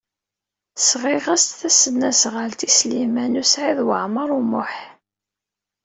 Sɣiɣ-as-d tasnasɣalt i Sliman U Saɛid Waɛmaṛ U Muḥ.